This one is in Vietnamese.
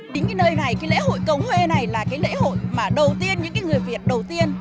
đến cái nơi này cái lễ hội cầu huê này là cái lễ hội mà đầu tiên những người việt đầu tiên